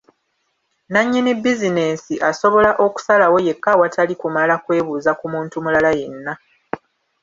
Nannyini bizinensi asobola okusalawo yekka awatali kumala kwebuuza ku muntu mulala yenna.